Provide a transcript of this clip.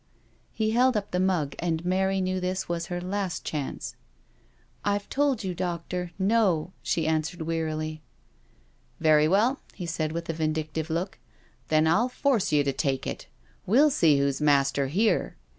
He held up the mug, and Mary knew this was her last chance. "I've told you, doctor, no,*' she answered wearily. " Very well," he said with a vindictive look, " then I'll force you to take it. We'll see who's master here."